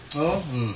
うん。